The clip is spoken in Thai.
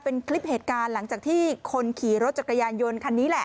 เป็นคลิปเหตุการณ์หลังจากที่คนขี่รถจักรยานยนต์คันนี้แหละ